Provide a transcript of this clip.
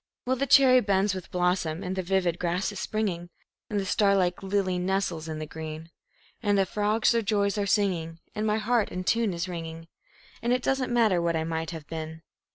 Well, the cherry bends with blossom and the vivid grass is springing, And the star like lily nestles in the green; And the frogs their joys are singing, and my heart in tune is ringing, And it doesn't matter what I might have been.